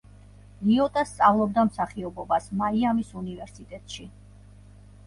ლიოტა სწავლობდა მსახიობობას მაიამის უნივერსიტეტში.